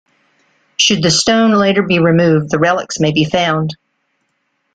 Should the stone later be removed, the relics may be found.